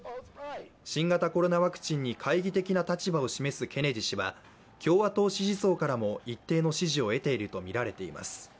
新型コロナワクチンに懐疑的な立場を示すケネディ氏は共和党支持層からも一定の支持を得ているとみられています。